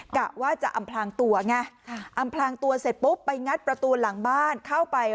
กะว่าจะอำพลางตัวไงอำพลางตัวเสร็จปุ๊บไปงัดประตูหลังบ้านเข้าไป